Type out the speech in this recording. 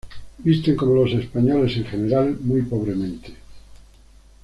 Visten como los españoles en general muy pobremente.